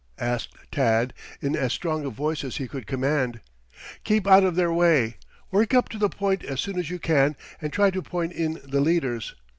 asked Tad in as strong a voice as he could command. "Keep out of their way. Work up to the point as soon as you can and try to point in the leaders.